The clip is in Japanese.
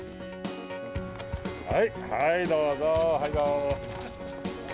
はい、どうぞ。